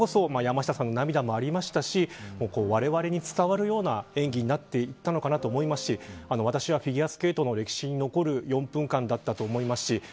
それを本当に体現したからこそ山下さんの涙もありましたしわれわれに伝わるような演技になっていたのかと思いますし私はフィギュアスケートの歴史に残る４分間だったと思います。